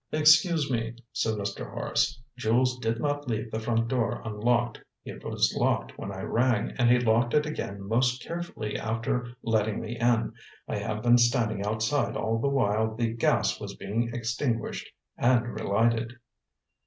"Excuse me," said Mr. Horace; "Jules did not leave the front door unlocked. It was locked when I rang, and he locked it again most carefully after letting me in. I have been standing outside all the while the gas was being extinguished and relighted."